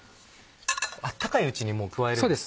温かいうちに加えるんですね。